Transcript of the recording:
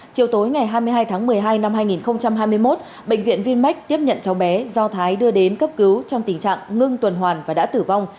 chiều tối ngày hai mươi hai tháng một mươi hai năm hai nghìn hai mươi một bệnh viện vinmec tiếp nhận cháu bé do thái đưa đến cấp cứu trong tình trạng ngưng tuần hoàn và đã tử vong